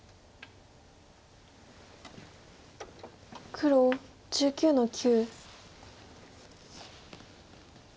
黒１９の九。